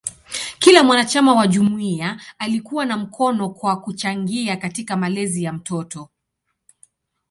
Kila mwanachama wa jumuiya alikuwa na mkono kwa kuchangia katika malezi ya mtoto.